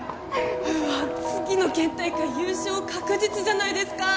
うわっ次の県大会優勝確実じゃないですか！